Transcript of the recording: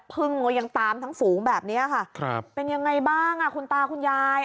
พึ่งก็ยังตามทั้งฝูงแบบนี้ค่ะครับเป็นยังไงบ้างอ่ะคุณตาคุณยาย